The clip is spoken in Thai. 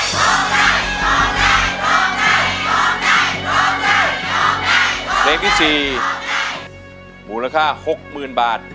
เพลงที่สี่หมูราคาหกหมื่นบาท